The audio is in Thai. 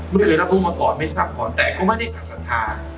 ไม่เคยรับรู้มาก่อนไม่ทราบก่อนแต่ก็ไม่ได้ตัดศรัทธา